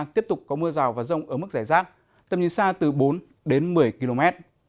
tiếp tục có mưa rào và rông ở mức rẻ rác tầm nhìn xa từ bốn một mươi km